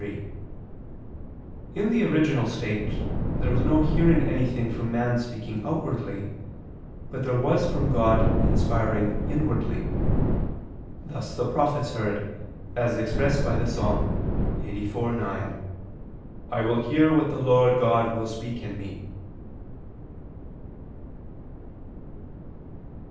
3: In the original state there was no hearing anything from man speaking outwardly, but there was from God inspiring inwardly: thus the prophets heard, as expressed by the Ps. 84:9: "I will hear what the Lord God will speak in me."